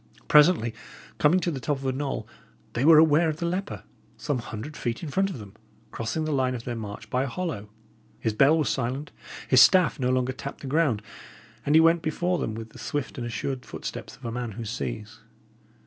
Presently, coming to the top of a knoll, they were aware of the leper, some hundred feet in front of them, crossing the line of their march by a hollow. His bell was silent, his staff no longer tapped the ground, and he went before him with the swift and assured footsteps of a man who sees.